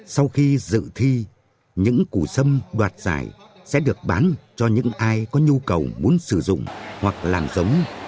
sau khi dự thi những cụ sâm đoạt giải sẽ được bán cho những ai có nhu cầu muốn sử dụng hoặc làm giống